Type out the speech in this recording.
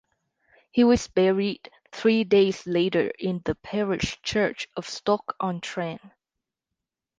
He was buried three days later in the parish church of Stoke-on-Trent.